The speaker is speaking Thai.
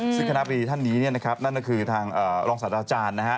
ซึ่งคณะบรีท่านนี้เนี่ยนะครับนั่นก็คือทางรองศาสตราจารย์นะฮะ